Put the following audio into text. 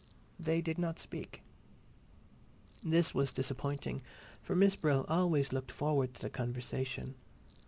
They did not speak. This was disappointing, for Miss Brill always looked forward to the conversation.